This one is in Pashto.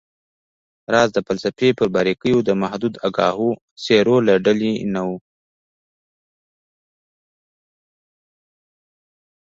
راز د فلسفې پر باریکیو د محدودو آګاهو څیرو له ډلې نه و